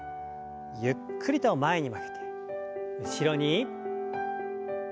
ゆっくりと前に曲げて後ろに。